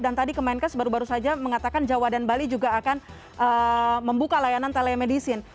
dan tadi kemarenka sebaru baru saja mengatakan jawa dan bali juga akan membuka layanan telemedicine